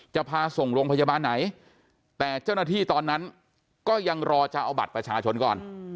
จะพาส่งโรงพยาบาลไหนแต่เจ้าหน้าที่ตอนนั้นก็ยังรอจะเอาบัตรประชาชนก่อน